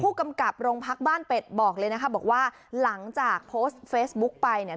กำกับโรงพักบ้านเป็ดบอกเลยนะคะบอกว่าหลังจากโพสต์เฟซบุ๊กไปเนี่ย